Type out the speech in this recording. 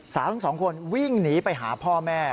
สาวทั้งสองคนวิ่งหนีไปหาพ่อแม่